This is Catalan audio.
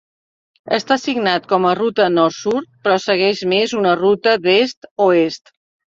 Està signat com a ruta nord-sud, però segueix més una ruta d'est-oest.